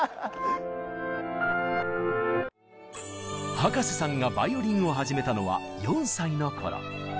葉加瀬さんがバイオリンを始めたのは４歳の頃。